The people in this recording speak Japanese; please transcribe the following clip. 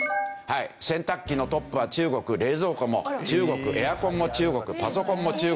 洗濯機のトップは中国冷蔵庫も中国エアコンも中国パソコンも中国。